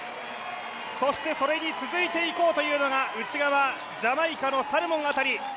そしてそれに続いていこうというのが内側、ジャマイカのサルモン辺り。